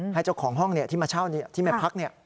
เจ้าของห้องที่มาเช่าที่ไม่พัก